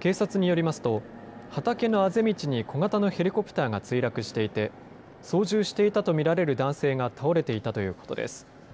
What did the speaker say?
警察によりますと畑のあぜ道に小型のヘリコプターが墜落していて操縦していたと見られる男性が倒れていたということです。